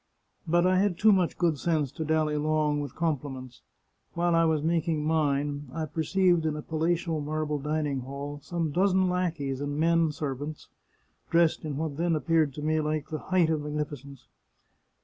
" But I had too much good sense to dally long with com pliments. While I was making mine, I perceived in a palatial marble dining hall some dozen lackeys and men servants, dressed in what then appeared to me the height of magnificence.